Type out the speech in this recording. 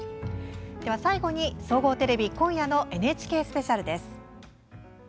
最後に、総合テレビ今夜のＮＨＫスペシャルです。